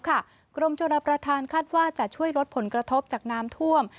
กรมชนประธานคาดว่าจะช่วยลดผลกระทบจากน้ำท่วม